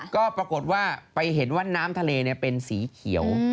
ก็ปรากฏว่าไปเห็นว่าน้ำทะเลเป็นสีเขียว